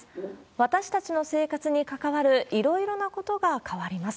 私たちの生活に関わるいろいろなことが変わります。